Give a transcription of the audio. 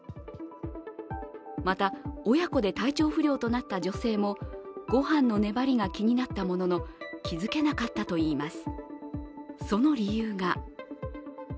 また、親子で体調不良となった女性もごはんの粘りが気になったものの気づけなかったといいます。